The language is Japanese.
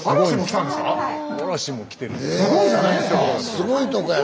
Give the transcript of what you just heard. すごいとこやな！